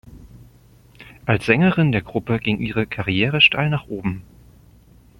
Als Sängerin der Gruppe ging ihre Karriere steil nach oben.